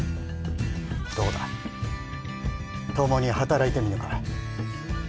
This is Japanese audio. どうだ？ともに働いてみぬか。